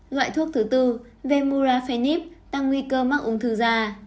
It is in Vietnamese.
loại thuốc thứ bốn vemurafenib tăng nguy cơ mắc ung thư da